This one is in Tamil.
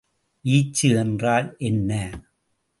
வீச்சு என்றால் என்ன?